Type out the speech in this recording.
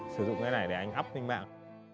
sử dụng cái này để anh ấp lên mạng